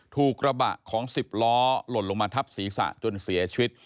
ถูกกระบะของ๑๐ล้อหล่นลงมาทับศีรษะจนเสียชีวิต